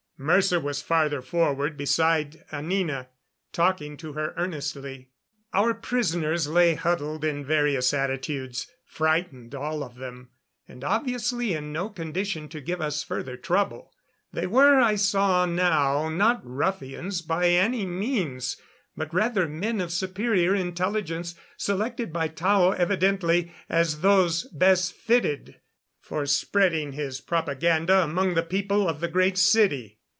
Mercer was farther forward, beside Anina, talking to her earnestly. Our prisoners lay huddled in various attitudes frightened, all of them, and obviously in no condition to give us further trouble. They were, I saw now, not ruffians by any means, but rather men of superior intelligence, selected by Tao evidently as those best fitted for spreading his propaganda among the people of the Great City.